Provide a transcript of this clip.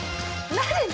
何？